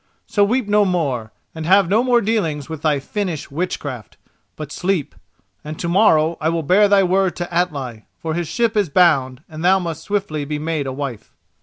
So weep no more, and have no more dealings with thy Finnish witchcraft, but sleep; and to morrow I will bear thy word to Atli, for his ship is bound and thou must swiftly be made a wife."